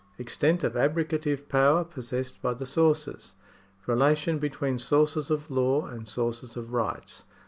Extent of abrogative power possessed by the sources. Relation between sources of law and sources of rights.